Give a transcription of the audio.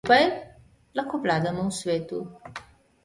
Skupaj lahko vladamo svetu!